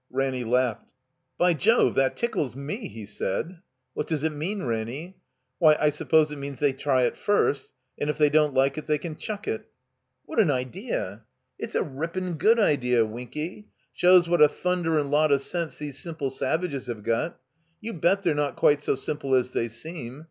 Ranny laughed. "By Jove, that tickles mer he said. What does it mean, Ranny?" '*Why, I suppose it means they try it first and if they don't like it they can chuck it." ''What an idea!" "It's a rippin' good idea, Winky, Shows what a thunderin' lot of sense these simple savages have got. You bet they're not quite so simple as they seem.